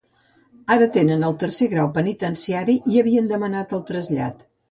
Ara tenen el tercer grau penitenciari i havien demanat el trasllat.